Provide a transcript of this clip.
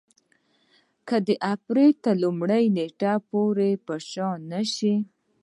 که د اپرېل تر لومړۍ نېټې پر شا نه شي.